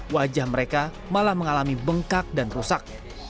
wajah mereka malah mengalami bengkak dan rusak